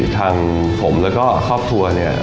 ทางผมแล้วก็ครอบครัวเนี่ย